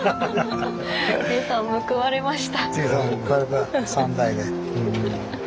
じいさん報われました。